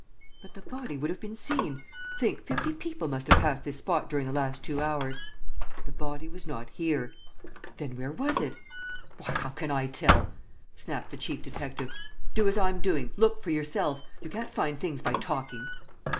"But the body would have been seen! Think, fifty people must have passed this spot during the last two hours. ..." "The body was not here." "Then where was it?" "Why, how can I tell?" snapped the chief detective. "Do as I'm doing, look for yourself! You can't find things by talking."